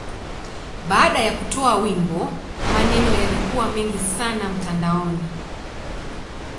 Baada ya kutoa wimbo, maneno yalikuwa mengi sana mtandaoni.